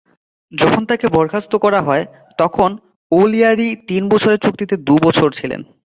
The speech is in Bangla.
যখন তাঁকে বরখাস্ত করা হয়, তখন ও'লিয়ারি তিন বছরের চুক্তিতে দুই বছর ছিলেন।